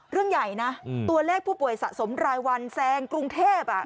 เรื่องใหญ่นะตัวเลขผู้ป่วยสะสมรายวันแซงกรุงเทพ